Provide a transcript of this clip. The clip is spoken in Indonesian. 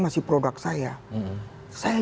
masih produk saya saya